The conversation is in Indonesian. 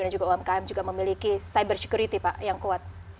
dan juga umkm juga memiliki cyber security pak yang kuat